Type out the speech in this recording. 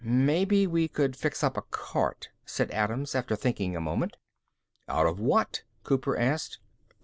"Maybe we could fix up a cart," said Adams, after thinking a moment. "Out of what?" Cooper asked.